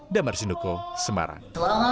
damar sinduko semarang